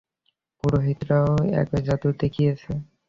পুরোহিতরাও একই জাদু দেখিয়েছে।